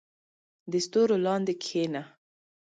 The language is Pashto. • د ستورو لاندې کښېنه.